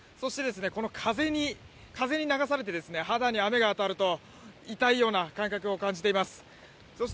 この風に流されて肌に雨が当たると痛いような感覚を感じています。